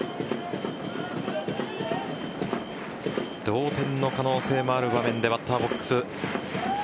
同点の可能性もある場面でバッターボックス。